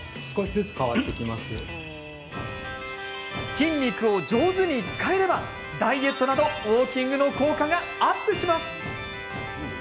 筋肉を上手に使えればダイエットなどウォーキングの効果がアップします。